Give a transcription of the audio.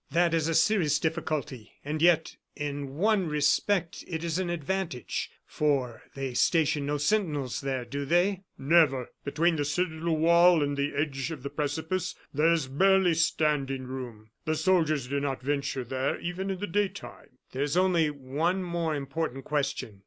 That is a serious difficulty, and yet, in one respect, it is an advantage, for they station no sentinels there, do they?" "Never. Between the citadel wall and the edge of the precipice there is barely standing room. The soldiers do not venture there even in the daytime." "There is one more important question.